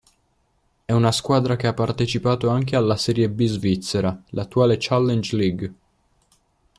È una squadra che ha partecipato anche alla serie B Svizzera, l'attuale Challenge league.